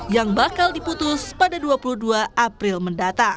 yang bakal diputus pada dua puluh dua april mendatang